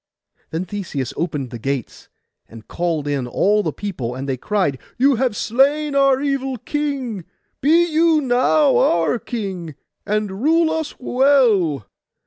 Then Theseus opened the gates, and called in all the people; and they cried, 'You have slain our evil king; be you now our king, and rule us well.